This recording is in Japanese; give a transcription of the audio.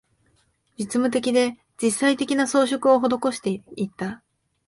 実務的で、実際的な、装飾を施していった